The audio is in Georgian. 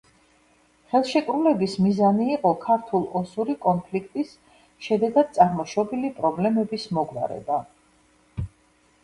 ხელშეკრულების მიზანი იყო ქართულ-ოსური კონფლიქტის შედეგად წარმოშობილი პრობლემების მოგვარება.